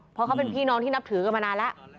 เพราะเขาเป็นพี่น้องที่นับถือกันมานานแล้ว